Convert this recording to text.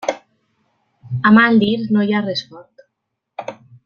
A mal dir no hi ha res fort.